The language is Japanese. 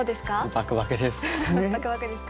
バクバクですか。